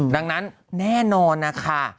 ดังนั้นแน่นอนนะคะ